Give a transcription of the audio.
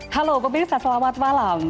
halo pemirsa selamat malam